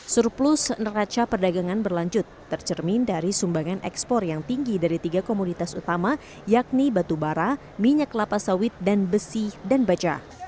surplus neraca perdagangan berlanjut tercermin dari sumbangan ekspor yang tinggi dari tiga komoditas utama yakni batu bara minyak lapas sawit dan besi dan baja